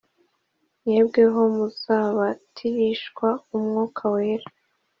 mwebweho muzabatirishwa Umwuka Wera